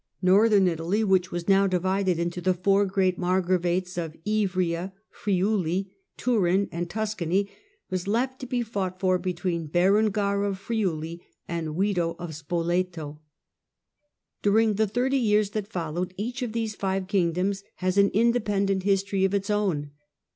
Northern Italy, which was now divided into the four great Margravates of Ivrea, Friuli, Turin and Tuscany, was left to be fought for between Berengar of Friuli and Wido of Spoleto. During the thirty years that follow, each of these five kingdoms has an independent history of its own.